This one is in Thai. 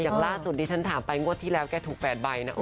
อย่างล่าสุดนี้ฉันถามให้งดที่อาจแค่ถูก๘ใบนะ